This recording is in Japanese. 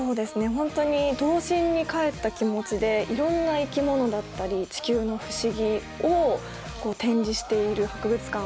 本当に童心に返った気持ちでいろんな生き物だったり地球の不思議を展示している博物館。